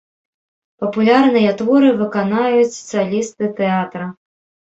Папулярныя творы выканаюць салісты тэатра.